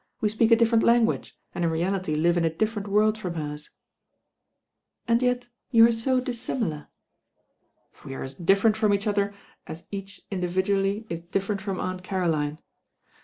We speak a ditfcrcnt language, and in reality live m a diflferent world from hers." "And yet you are so dissimilar?" "We are as different from each other at each THE raiRTY.NINE ARTICLES 175 individutlly i. diflfercnt from Aunt Ctrolme.